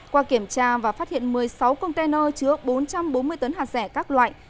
qua kiểm tra và phát hiện một mươi sáu container chứa bốn trăm bốn mươi tấn hạt rẻ các loại